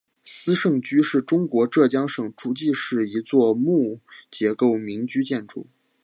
斯盛居是中国浙江省诸暨市一座木结构民居建筑。